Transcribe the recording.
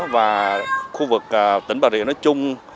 và khu vực tỉnh bà rịa nó chung